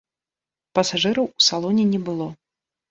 Пасажыраў у салоне не было.